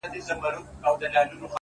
بيا به تاوان راکړې د زړگي گلي-